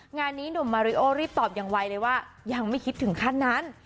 งานนี้หนุ่มมาริโอรีบตอบอย่างไวเลยว่ายังไม่คิดถึงขั้นนั้น